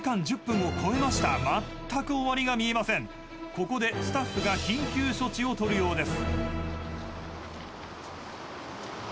［ここでスタッフが緊急処置を取るようです］